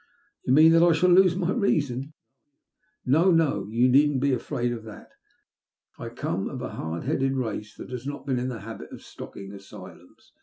You mean that I shall lose my reason 7 No, no ! yon needn't be afraid of that. I come of a hard headed race that has not been in the habit of stocking asylums."